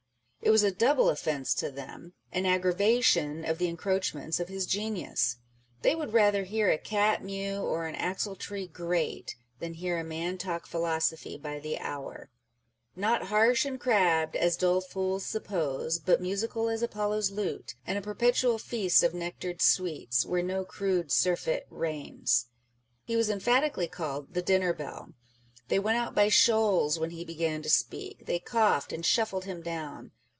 It was a double offence to them â€" Writing and Speaking. 375 an aggravation of the encroachments of his genius. They would rather " hear a cat mew or an axletree grate," than hear a man talk philosophy by the hour â€" Not harsh and crabbed, as dull fools suppose, But musical as is Apollo's lute, And a perpetual feast of uectar'd sweets, Where no crude surfeit reigns. He was emphatically called the Dinner Bell. They went out by shoals when he began to speak. They coughed and shuffled him down.